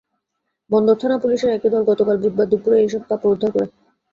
বন্দর থানা পুলিশের একটি দল গতকাল বুধবার দুপুরে এসব কাপড় উদ্ধার করে।